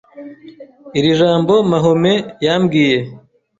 Iri jambo Mahomet yambwiye